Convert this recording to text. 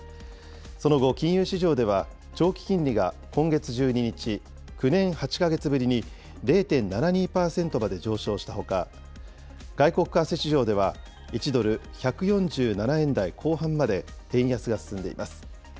その後、金融市場では長期金利が今月１２日、９年８か月ぶりに０．７２％まで上昇したほか、外国為替市場では１ドル１４７円台後半まで円安が進んでいます。